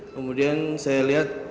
kemudian saya lihat